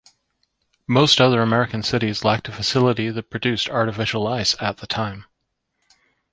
Most other American cities lacked a facility that produced artificial ice at the time.